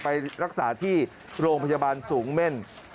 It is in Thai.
ไปรักษาที่โรงพยาบาลสูงเม่น